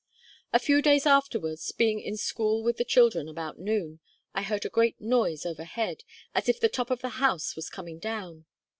A few days afterwards, being in school with the children about noon, I heard a great noise overhead, as if the top of the house was coming down.